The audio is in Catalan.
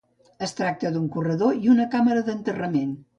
Es tracta d'un corredor i una càmera d'enterrament.